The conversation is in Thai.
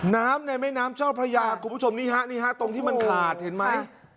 ในแม่น้ำเจ้าพระยาคุณผู้ชมนี่ฮะนี่ฮะตรงที่มันขาดเห็นไหม